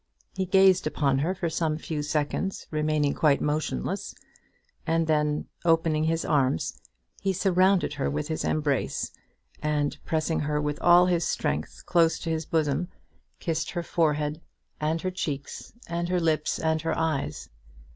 He gazed upon her for some few seconds, remaining quite motionless, and then, opening his arms, he surrounded her with his embrace, and pressing her with all his strength close to his bosom, kissed her forehead, and her cheeks, and her lips, and her eyes.